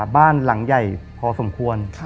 บ้านหลังใหญ่พอสมควร